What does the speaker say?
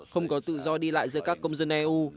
không có tự do đi lại giữa các công dân eu